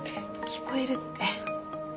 聞こえるって。